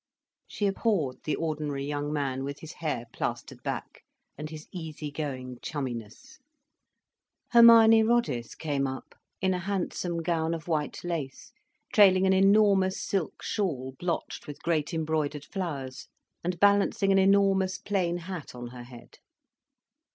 She abhorred the ordinary young man, with his hair plastered back, and his easy going chumminess. Hermione Roddice came up, in a handsome gown of white lace, trailing an enormous silk shawl blotched with great embroidered flowers, and balancing an enormous plain hat on her head.